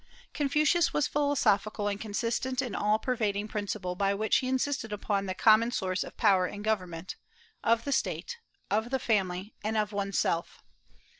Confucius was philosophical and consistent in the all pervading principle by which he insisted upon the common source of power in government, of the State, of the family, and of one's self.